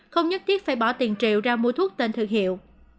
không nhất thiết phải bỏ tiền triệu ra mua thuốc tên thương hiệu